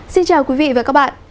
xin chào quý vị và các bạn